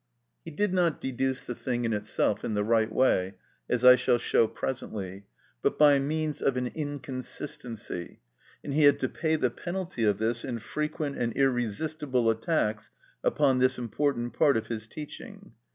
He did not deduce the thing in itself in the right way, as I shall show presently, but by means of an inconsistency, and he had to pay the penalty of this in frequent and irresistible attacks upon this important part of his teaching.